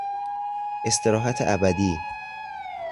استراحت ابدی